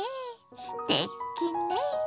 すてきね！